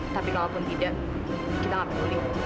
tapi kalaupun tidak kita nggak peduli